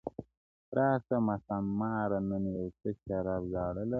راسه ماښامیاره نن یو څه شراب زاړه لرم,